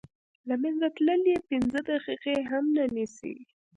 له منځه تلل یې پنځه دقیقې هم نه نیسي.